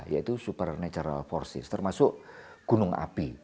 yaitu supernatural forces termasuk gunung api